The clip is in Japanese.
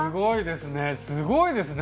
すごいですね。